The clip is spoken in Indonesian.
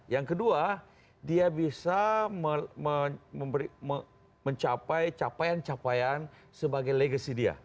yang kedua dia bisa mencapai capaian capaian sebagai legacy dia